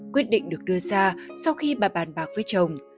quyết định được đưa ra sau khi bà bàn bạc với chồng